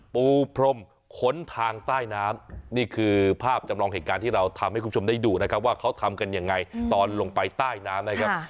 ปูพรมค้นทางใต้น้ำนี่คือภาพจำลองเหตุการณ์ที่เราทำให้คุณผู้ชมได้ดูนะครับว่าเขาทำกันยังไงตอนลงไปใต้น้ำนะครับ